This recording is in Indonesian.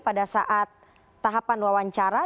pada saat tahapan wawancara